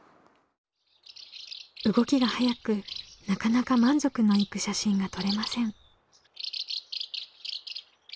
動きが速くなかなか満足のいく写真が撮れません。